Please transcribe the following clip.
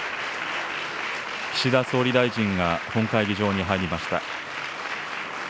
岸田総理大臣が、本会議場に入りました。